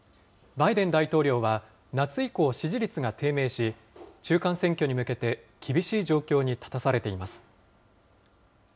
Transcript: バイデン大統領は夏以降、支持率が低迷し、中間選挙に向けて厳しい状況に立たされています。